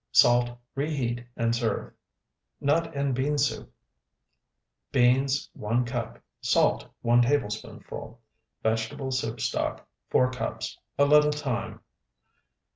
Salt, reheat, and serve. NUT AND BEAN SOUP Beans, 1 cup. Salt, 1 tablespoonful. Vegetable soup stock, 4 cups. A little thyme.